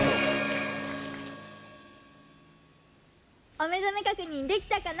おめざめ確認できたかな？